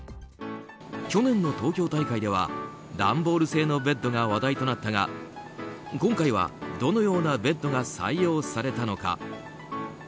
去年の東京大会では段ボール製のベッドが話題となったが今回はどのようなベッドが採用されたのか。